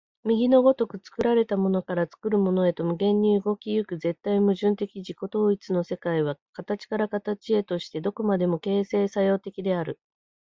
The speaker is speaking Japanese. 右の如く作られたものから作るものへと無限に動き行く絶対矛盾的自己同一の世界は、形から形へとして何処までも形成作用的である。